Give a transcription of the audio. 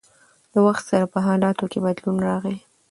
د وخت سره په حالاتو کښې بدلون راغی